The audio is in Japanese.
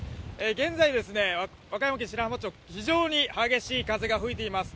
現在、和歌山県白浜町、非常に激しい風が吹いています。